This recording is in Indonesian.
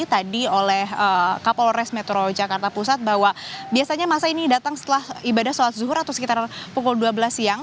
tadi oleh kapolres metro jakarta pusat bahwa biasanya masa ini datang setelah ibadah sholat zuhur atau sekitar pukul dua belas siang